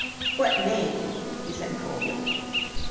"What name?" he said, coldly.